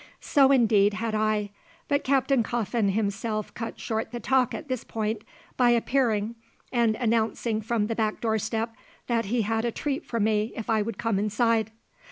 So, indeed, had I. But Captain Coffin himself cut short the talk at this point by appearing and announcing from the back doorstep that he had a treat for me if I would come inside.